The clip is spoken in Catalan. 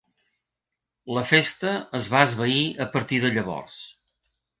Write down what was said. La festa es va esvair a partir de llavors.